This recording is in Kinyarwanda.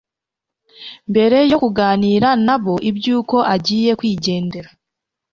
Mbere yo kuganira na bo iby'uko agiye kwigendera,